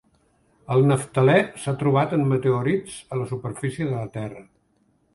El naftalè s'ha trobat en meteorits a la superfície de la Terra.